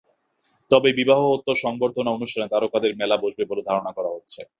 তবে বিবাহোত্তর সংবর্ধনা অনুষ্ঠানে তারকাদের মেলা বসবে বলে ধারণা করা হচ্ছে।